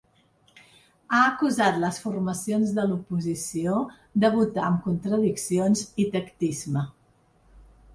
Ha acusat les formacions de l’oposició de votar amb ‘contradiccions’ i ‘tactisme’.